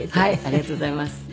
ありがとうございます。